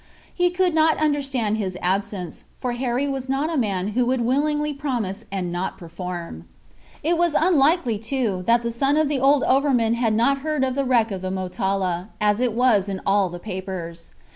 He could not understand his absence, for Harry was not a man who would willingly promise and not perform. It was unlikely, too, that the son of the old overman had not heard of the wreck of the Motala, as it was in all the papers.